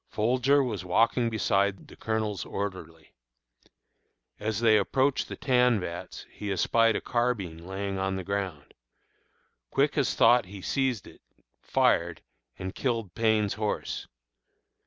Folger was walking beside the Colonel's orderly. As they approached the tan vats he espied a carbine lying on the ground. Quick as thought he seized it, fired, and killed Payne's horse.